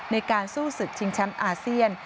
ในการสู้ศึกชิงแชมป์อาเซียน